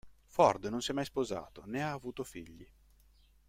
Ford non si è mai sposato, né ha avuto figli.